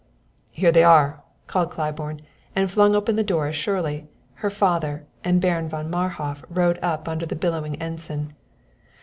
"Here they are," called Claiborne, and flung open the door as Shirley, her father and Baron von Marhof rode up under the billowing ensign.